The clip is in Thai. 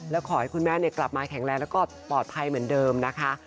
แล้วขอให้คุณแม่กลับมาแข็งแรงแล้วก็ปลอดภัยเหมือนเดิมนะคะ